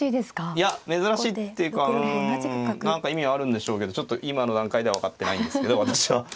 いや珍しいっていうかうん何か意味はあるんでしょうけどちょっと今の段階では分かってないんですけど私は。